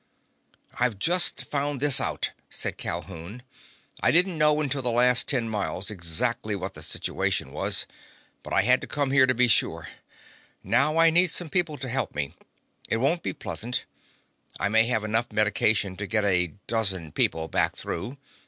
"I've just found this out," said Calhoun. "I didn't know until the last ten miles exactly what the situation was, and I had to come here to be sure. Now I need some people to help me. It won't be pleasant. I may have enough medication to get a dozen people back through.